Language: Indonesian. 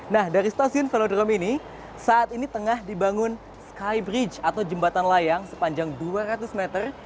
nah dari stasiun velodrome ini saat ini tengah dibangun skybridge atau jembatan layang sepanjang dua ratus meter